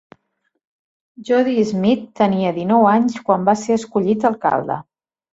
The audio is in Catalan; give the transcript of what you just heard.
Jody Smith tenia dinou anys quan va ser escollit alcalde.